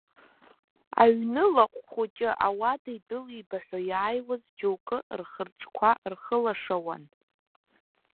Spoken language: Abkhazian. Аҩны лаҟә хәыҷы ауада идәылибаҳәа иааиуаз џьоукы рхырҿқәа рхылашауан.